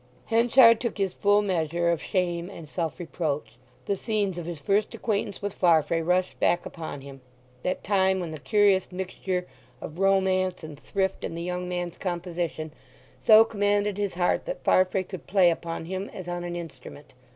Henchard took his full measure of shame and self reproach. The scenes of his first acquaintance with Farfrae rushed back upon him—that time when the curious mixture of romance and thrift in the young man's composition so commanded his heart that Farfrae could play upon him as on an instrument.